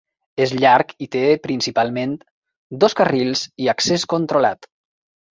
És llarg i té, principalment, dos carrils i accés controlat.